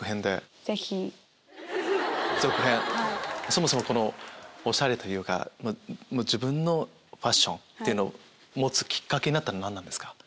そもそもおしゃれというか自分のファッションを持つきっかけになったのは何ですか？